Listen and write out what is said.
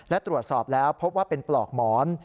และตรวจสอบแล้วพบว่าเป็นปลอกหมอน